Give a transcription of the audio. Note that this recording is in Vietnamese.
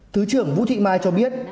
thứ trưởng vũ thị mai cho biết